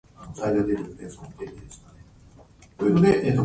コンピューターウイルス